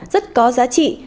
rất có giá trị